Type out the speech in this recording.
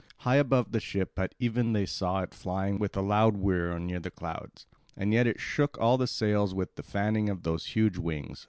High above the ship at even they saw it flying with a loud whirr, near the clouds; and yet it shook all the sails with the fanning of those huge wings.